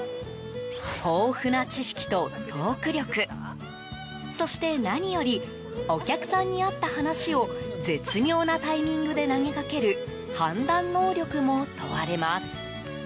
豊富な知識とトーク力そして何よりお客さんに合った話を絶妙なタイミングで投げかける判断能力も問われます。